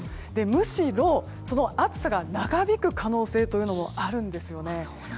むしろ、暑さが長引く可能性というのがあるんですね。